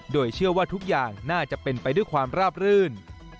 โดยเชื่อว่าทุกอย่างน่าจะเป็นไปด้วยความราบรื่น